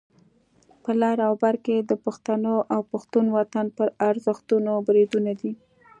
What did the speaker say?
په لر او بر کې د پښتنو او پښتون وطن پر ارزښتونو بریدونه دي.